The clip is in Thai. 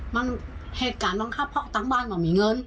มันเหตุการณ์บ้างค่ะเพราะตั้งบ้านบอกมีเงิน